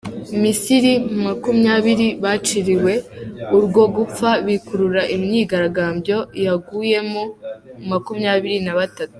Misiri makumyabiri Baciriwe urwo gupfa bikurura imyigaragambyo yaguyemo makumyabiri nabatatu